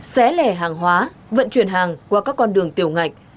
xé lẻ hàng hóa vận chuyển hàng qua các con đường tiểu ngạch